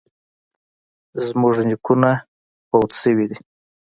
زموږ نیکونه فوت شوي دي